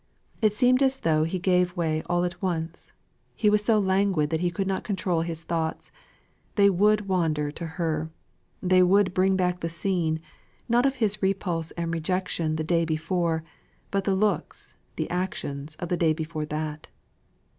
It seemed as though he gave way all at once; he was so languid that he could not control his thoughts; they would wander to her: they would bring back the scene, not of his repulse and rejection the day before, but the looks, the actions of the day before that.